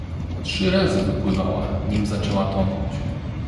Trzy razy wypływała, nim zaczęła tonąć.